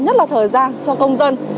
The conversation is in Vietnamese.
nhất là thời gian cho công dân